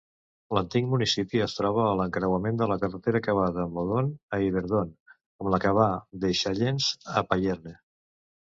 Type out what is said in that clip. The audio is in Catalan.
L'antic municipi es troba a l'encreuament de la carretera que va de Moudon a Yverdon amb la que va d'Echallens a Payerne.